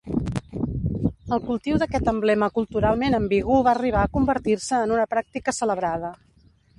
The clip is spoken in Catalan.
El cultiu d’aquest emblema culturalment ambigu va arribar a convertir-se en una pràctica celebrada.